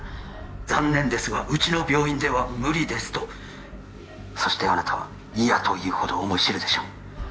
「残念ですがうちの病院では無理です」とそしてあなたは嫌というほど思い知るでしょう